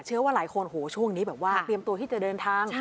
เชื่อว่าหลายคนโหช่วงนี้แบบว่าเตรียมตัวที่จะเดินทาง